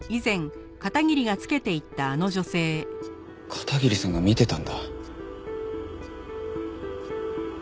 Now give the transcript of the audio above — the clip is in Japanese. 片桐さんが見てたんだ。